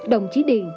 đồng chí điền